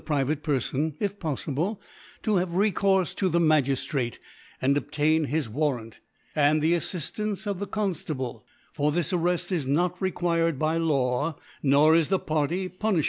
priyate Perfon, if poffible, to have recourfe to the Magiftrate and obtain his Warrant, and the Affiftance of the ff Con liable 5 for this Arreft is not required by Law, nor is the Party puniftiabie for ne* /♦ PuU, 10.